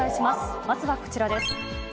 まずはこちらです。